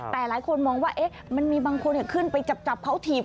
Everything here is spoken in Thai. แต่หลายคนมองว่ามันมีบางคนขึ้นไปจับเขาถีบ